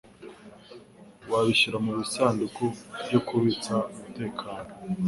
Wabishyira mubisanduku byo kubitsa umutekano?